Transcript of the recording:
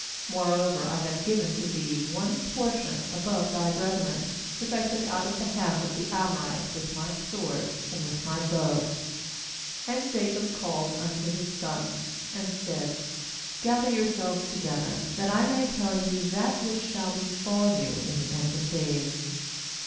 ^Moreover I have given to thee one portion above thy brethren, which I took out of the hand of the Amorite with my sword and with my bow/ And Jacob called unto his sons, and said: 'Gather yourselves together, that I may tell you that which shall befall you hi the end of days.